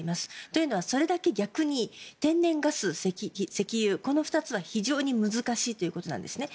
というのは、それだけ逆に天然ガス、石油、この２つは非常に難しいということなんですね。